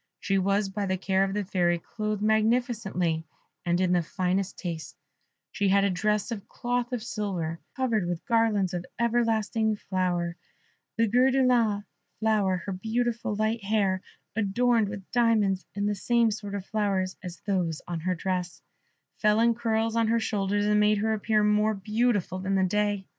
She was by the care of the Fairy clothed magnificently and in the finest taste: she had a dress of cloth of silver, covered with garlands of everlasting flower of gris de lin colour; her beautiful light hair, adorned with diamonds and the same sort of flowers as those on her dress, fell in curls on her shoulders, and made her appear more beautiful than the day.